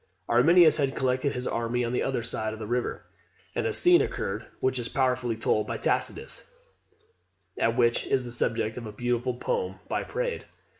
Arminius had collected his army on the other side of the river; and a scene occurred, which is powerfully told by Tacitus, and which is the subject of a beautiful poem by Praed.